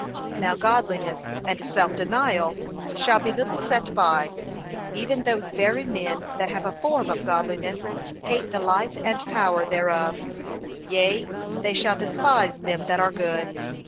Now godliness and self denial shall be little set by; even those very men that have a form of godliness hate the life and power thereof; yea, they shall despise them that are good.